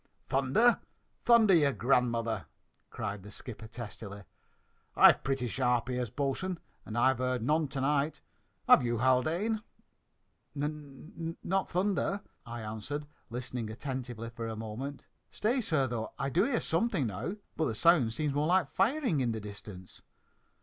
"Thunder! thunder your grandmother!" cried the skipper testily. "I've pretty sharp ears, bo'sun, and I have heard none to night. Have you, Haldane?" "N n o, sir, not thunder," I answered, listening attentively for a moment. "Stay, sir, though. I do hear something now, but the sound seems more like firing in the distance."